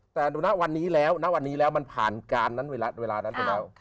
แต่วันนี้แล้วมันผ่านการนั้นเวลานั้น